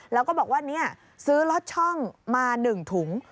แล้วก็บอกว่าซื้อล็อตช่องมา๑ถุง